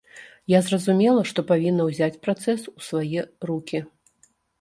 Я зразумела, што павінна ўзяць працэс у свае рукі.